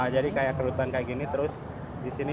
jadi kayak kerutan kayak gini terus di sini